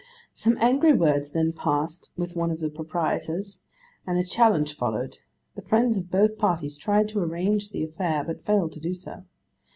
Some angry words then passed with one of the proprietors, and a challenge followed; the friends of both parties tried to arrange the affair, but failed to do so.